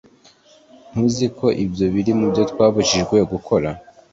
ntuziko ibyo biri mubyo twabujijwe gukora